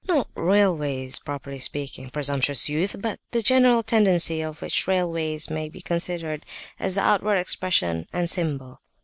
"Not railways, properly speaking, presumptuous youth, but the general tendency of which railways may be considered as the outward expression and symbol.